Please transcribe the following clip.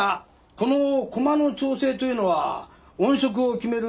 この駒の調整というのは音色を決める